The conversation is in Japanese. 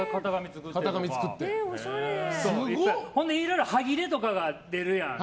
すごい！ほんでいろいろ端切れとかが出るやん。